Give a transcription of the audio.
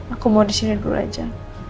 aku mau di sini dulu aja